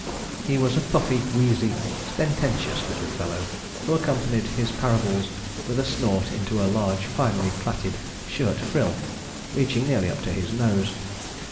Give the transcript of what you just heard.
He was a puffy, wheezy, sententious little fellow, who accompanied his parables with a snort into a large finely plaited shirt frill, reaching nearly up to his nose.